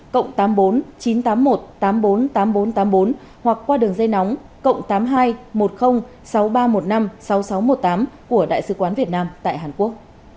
cộng tám mươi bốn chín trăm tám mươi một tám trăm bốn mươi tám nghìn bốn trăm tám mươi bốn hoặc qua đường dây nóng cộng tám mươi hai một mươi sáu nghìn ba trăm một mươi năm sáu nghìn sáu trăm một mươi tám của đại sứ quán việt nam tại hàn quốc